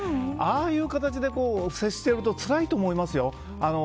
ああいう形で接してるとつらいと思いますよ。